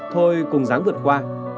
thôi cùng dáng vượt qua